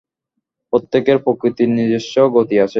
প্রত্যেকের প্রকৃতির নিজস্ব গতি আছে।